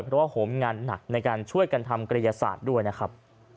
เพราะว่าโหมงานหนักในการช่วยกันทำกรยาศาสตร์ด้วยนะครับ